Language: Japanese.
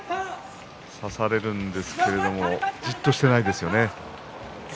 差されるんですけれどもじっとしていないですよね。